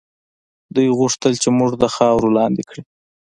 دوی غوښتل چې موږ د خاورو لاندې کړي.